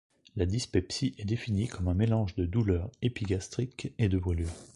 La dyspepsie est définie comme un mélange de douleur épigastrique et de brûlure.